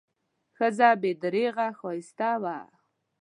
ښځه بې درېغه ښایسته وه.